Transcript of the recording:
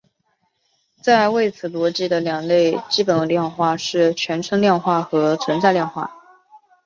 在谓词逻辑的两类基本量化是全称量化和存在量化。